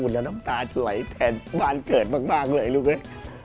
ขุนและน้ำตาสวยแทนบันเกิดมากเลยรู้ไหม